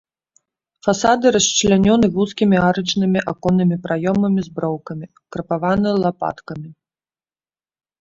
Фасады расчлянёны вузкімі арачнымі аконнымі праёмамі з броўкамі, крапаваны лапаткамі.